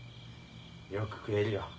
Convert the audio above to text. よく食えるよ。